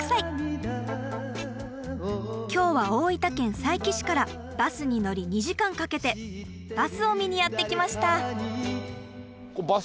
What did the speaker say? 今日は大分県佐伯市からバスに乗り２時間かけてバスを見にやって来ました。